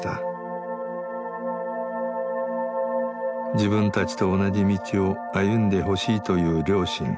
自分たちと同じ道を歩んでほしいという両親。